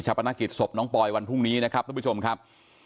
ชาวประณกิจสบน้องปอยวันพรุ่งนี้นะครับ